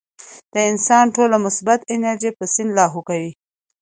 د انسان ټوله مثبت انرجي پۀ سين لاهو کوي -